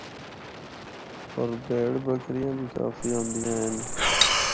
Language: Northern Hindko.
ہور بھیڑ بکریاں بھی کافی ہوندیاں ہن۔